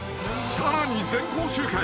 ［さらに全校集会。